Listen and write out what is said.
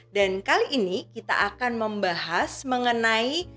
dan kali ini kita akan membahas mengenai